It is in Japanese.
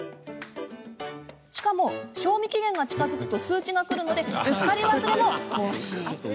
しかも、賞味期限が近づくと通知がくるのでうっかり忘れも防止。